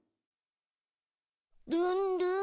ルンルン。